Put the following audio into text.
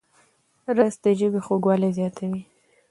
رس د ژبې خوږوالی زیاتوي